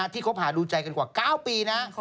คบหาดูใจกันกว่า๙ปีนะ